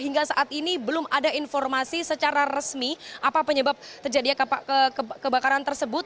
hingga saat ini belum ada informasi secara resmi apa penyebab terjadinya kebakaran tersebut